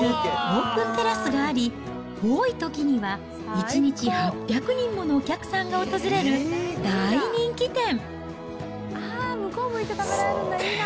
オープンテラスがあり、多いときには１日８００人ものお客さんが訪れる大人気店。